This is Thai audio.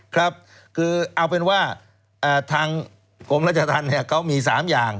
ครับคือเอาเป็นว่าทางกรมราชธรรมเขามี๓อย่าง